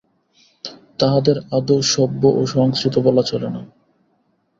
তাহাদের আদৌ সভ্য ও সংস্কৃত বলা চলে না।